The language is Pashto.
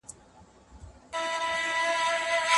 په بازارونو کي باید د درغلۍ مخه ونیول سي.